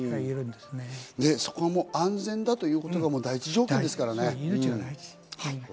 そこはもう安全だということが第一条件ですからね。